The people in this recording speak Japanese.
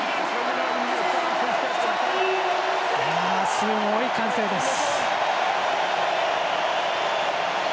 すごい歓声です。